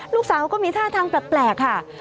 ลูกสาวก็มีท่าทางแปลกค่ะ